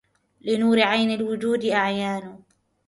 لنور عين الوجود أعيان